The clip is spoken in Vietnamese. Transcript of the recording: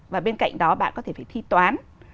và bên cạnh đó bạn có thể phải thi toán